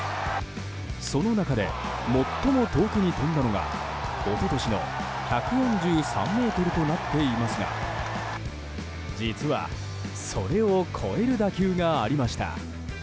その中で最も遠くに飛んだのが一昨年の１４３ｍとなっていますが実はそれを超える打球がありました。